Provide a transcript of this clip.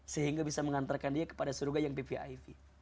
sehingga bisa mengantarkan dia kepada surga yang vviv